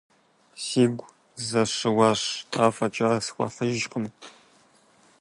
Сигу зэщыуащ, афӀэкӀа схуэхьыжыркъым.